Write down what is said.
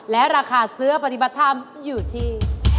และราคาเสื้อปฏิบัติธรรมอยู่ที่